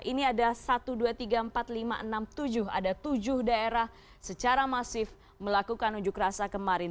ini ada satu dua tiga empat lima enam tujuh ada tujuh daerah secara masif melakukan unjuk rasa kemarin